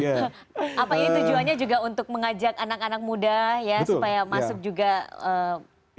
apa ini tujuannya juga untuk mengajak anak anak muda ya supaya masuk juga bisa